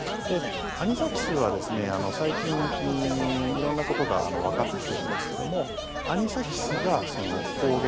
アニサキスは最近、色んなことがわかってきてるんですけどもアニサキスが抗原。